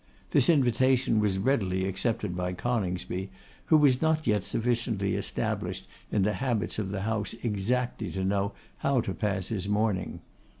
This invitation was readily accepted by Coningsby, who was not yet sufficiently established in the habits of the house exactly to know how to pass his morning.